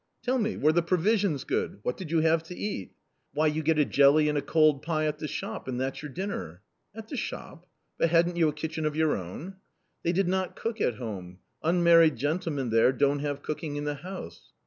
" Tell me, were the provisions good ? what did you have to eat ?"" Why, you get a jelly and a cold pie at the shop, and that's your dinner !"" At the shop ? but hadn't you a kitchen of your own ?" "They did not cook at home. Unmarried gentlemen there don't have cooking in the house."